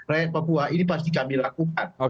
rakyat papua ini pasti kami lakukan